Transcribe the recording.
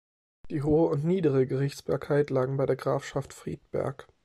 Die hohe und niedere Gerichtsbarkeit lagen bei der Grafschaft Friedberg.